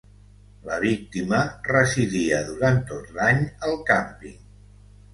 La víctima residia durant tot l’any al càmping.